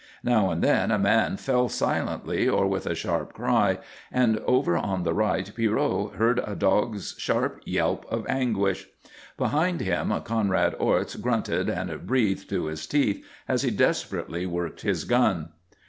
Now and then a man fell silently or with a sharp cry, and over on the right Pierrot heard a dog's sharp yelp of anguish. Behind him Conrad Orts grunted and breathed through his teeth as he desperately worked his gun.